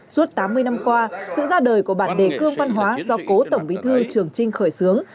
suốt tám mươi năm qua sự ra đời của bản đề cương văn hóa do cố tổng bí thư trường trinh khởi xướng